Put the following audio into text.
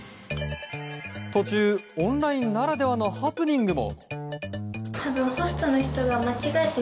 途中、オンラインならではのハプニングも。